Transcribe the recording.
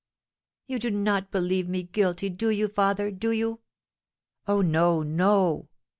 "You do not believe me guilty, do you, father, do you?" "Oh, no, no!"